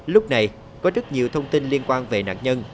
lúc này có rất nhiều thông tin liên quan về nạn nhân